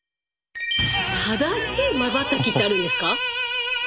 正しいまばたきってあるんですか？